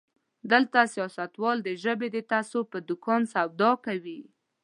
دلته سياستوال د ژبې د تعصب په دوکان سودا کوي.